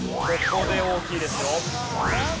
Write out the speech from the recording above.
ここで大きいですよ。